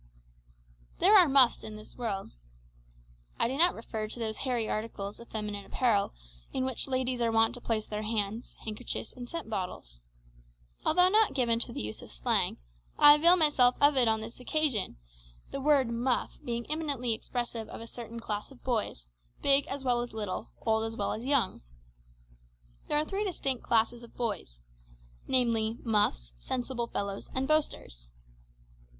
There are muffs in this world. I do not refer to those hairy articles of female apparel in which ladies are wont to place their hands, handkerchiefs, and scent bottles. Although not given to the use of slang, I avail myself of it on this occasion, the word "muff" being eminently expressive of a certain class of boys, big as well as little, old as well as young. There are three distinct classes of boys namely, muffs, sensible fellows, and boasters.